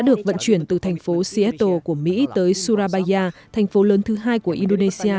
được vận chuyển từ thành phố seattle của mỹ tới surabaya thành phố lớn thứ hai của indonesia